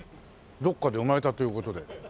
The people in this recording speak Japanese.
どっかで生まれたという事で。